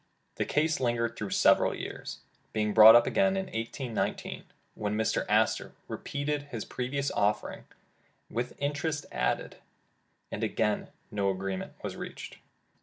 The case lingered through several years, being brought up again in 1819, when Mr. Astor repeated his previous offer, with interest added, and again no agreement was reached.